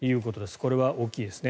これは大きいですね。